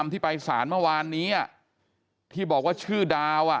ที่บอกว่าชื่อดาว